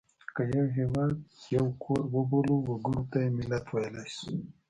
که یو هېواد یو کور وبولو وګړو ته یې ملت ویلای شو.